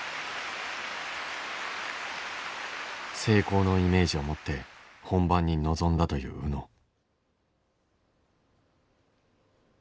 成功のイメージを持って本番に臨んだという宇野。